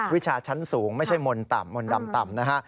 วิชาชั้นสูงไม่ใช่มนต์ต่ำมนต์ดำต่ำนะฮะ